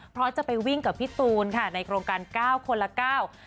เพราะจะไปวิ่งกับพี่ตูนในโครงการ๙คนละ๙